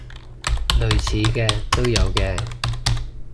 類似嘅都有嘅